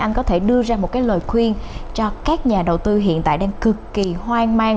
anh có thể đưa ra một cái lời khuyên cho các nhà đầu tư hiện tại đang cực kỳ hoang mang